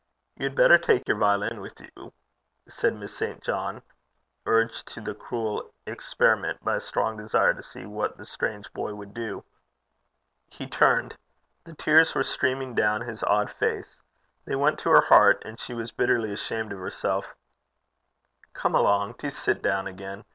'You had better take your violin with you,' said Miss St. John, urged to the cruel experiment by a strong desire to see what the strange boy would do. He turned. The tears were streaming down his odd face. They went to her heart, and she was bitterly ashamed of herself. 'Come along. Do sit down again.